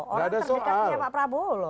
orang terdekatnya pak prabowo loh